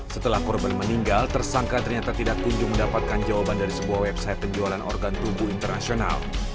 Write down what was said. setelah korban meninggal tersangka ternyata tidak kunjung mendapatkan jawaban dari sebuah website penjualan organ tubuh internasional